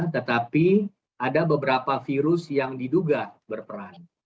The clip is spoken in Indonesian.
tetapi ada beberapa virus yang diduga berperan